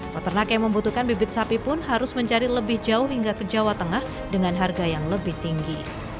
peternak yang membutuhkan bibit sapi pun harus mencari lebih jauh hingga ke jawa tengah dengan harga yang lebih tinggi